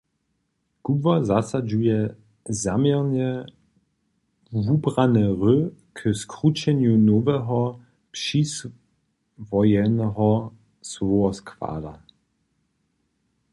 Kubłar zasadźuje zaměrnje wubrane hry k skrućenju noweho přiswojeneho słowoskłada.